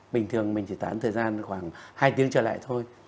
bình thường mình chỉ tán thời gian khoảng hai tiếng trở lại thôi